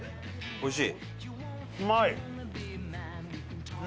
おいしい！